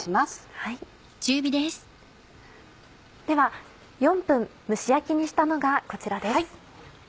では４分蒸し焼きにしたものがこちらです。